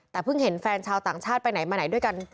แต่เพิ่งเห็นแฟนชาวต่างชาติไปไหนมาไหนด้วยกัน